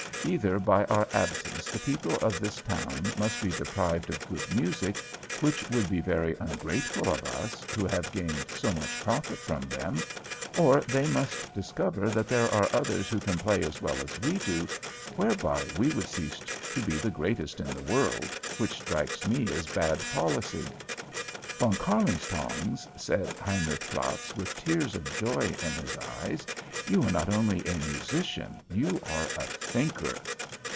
"Either by our absence the people of this town must be deprived of good music, which would be very ungrateful of us, who have gained so much profit from them, or they must discover that there are others who can play as well as we do, whereby we would cease to be the greatest in the world which strikes me as bad policy." "Von Kärlingtongs," said Heinrich Flatz, with tears of joy in his eyes, "you are not only a musician, you are a thinker."